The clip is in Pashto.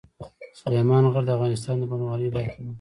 سلیمان غر د افغانستان د بڼوالۍ برخه ده.